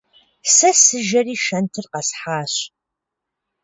Сэ сыжэри шэнтыр къэсхьащ.